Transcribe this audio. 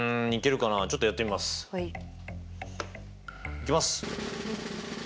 いきます。